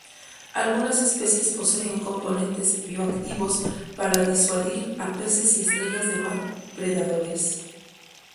Algunas especies poseen componentes bioactivos para disuadir a peces y estrellas de mar predadores.